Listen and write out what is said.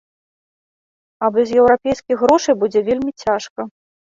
А без еўрапейскіх грошай будзе вельмі цяжка.